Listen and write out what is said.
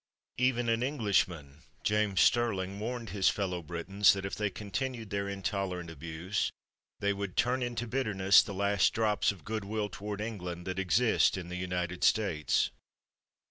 Even an Englishman, James Sterling, warned his fellow Britons that, if they continued their intolerant abuse, they would "turn into bitterness the last drops of good will toward England that exist in the United States."